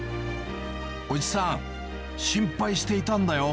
おじさん、心配していたんだよ。